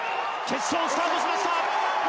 決勝スタートしました。